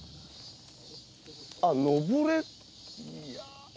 あっ登れ。